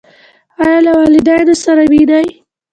ایا له والدینو سره وینئ؟